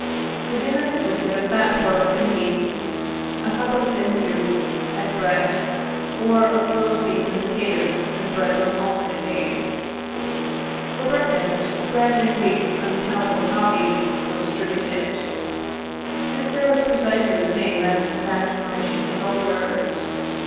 The dinners consisted of fat pork and beans, a cup of thin soup and bread, or of boiled beef and potatoes and bread on alter nate days. For breakfast, bread, and weak, unpalatable coffee, were distributed. This fare was precisely the same as that furnished to the soldiers.